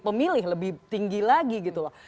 pemilih lebih tinggi lagi gitu loh